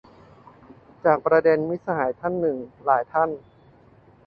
ประเด็นจาก มิตรสหายท่านหนึ่ง หลายท่าน